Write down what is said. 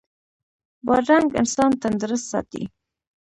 بادرنګ انسان تندرست ساتي.